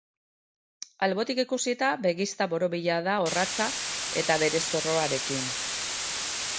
Albotik ikusita, begizta borobila da orratza eta bere zorroarekin.